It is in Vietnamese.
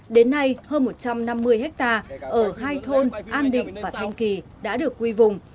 đến nay hơn một trăm năm mươi hectare ở hai thôn an định và thanh kỳ đã được quy vùng